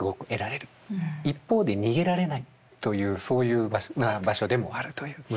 一方で逃げられないというそういう場所でもあるという難しさです。